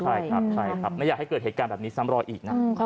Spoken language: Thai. ใช่ครับใช่ครับไม่อยากให้เกิดเหตุการณ์แบบนี้ซ้ำรอยอีกนะ